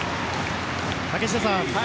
竹下さん